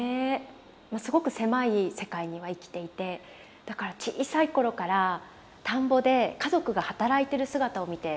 まあすごく狭い世界には生きていてだから小さい頃から田んぼで家族が働いてる姿を見て育った。